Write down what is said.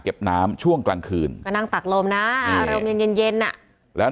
เก็บน้ำช่วงกลางคืนมานั่งตักลมนะเริ่มเย็นแล้ว